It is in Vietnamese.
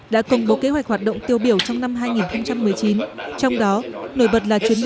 đã công bố kế hoạch hoạt động tiêu biểu trong năm hai nghìn một mươi chín trong đó nổi bật là chuyến